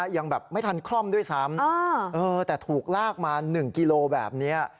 ยังแบบไม่ทันคล่อมด้วยซ้ำแต่ถูกลากมา๑กิโลแบบนี้